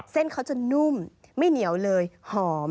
เส้นเขาจะนุ่มไม่เหนียวเลยหอม